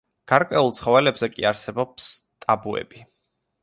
გარკვეულ ცხოველებზე კი არსებობს ტაბუები.